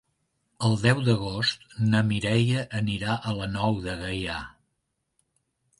El deu d'agost na Mireia anirà a la Nou de Gaià.